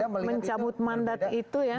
mencabut mandat itu ya